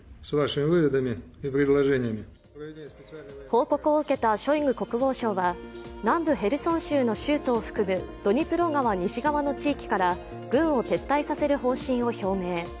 報告を受けたショイグ国防相は南部ヘルソン州の州都を含むドニプロ川西側の地域から群を撤退させる方針を表明。